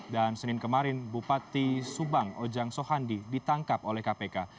dan senin kemarin bupati subang ojang sohandi ditangkap oleh kpk